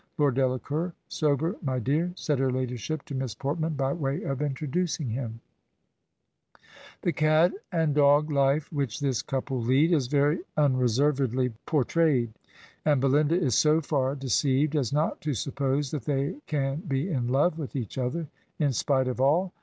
' Lord Delacour, sober, my dear,' said her ladyship to Miss Portman, by way of introducing him." The cat and dog life which this couple lead is very unreservedly portrayed, and Belinda is so far deceived as not to suppose that they can be in love ¥rith each 30 Digitized by VjOOQIC TWO HEROINES OF MARIA EOGEWORTH'S otha*, in spite of all.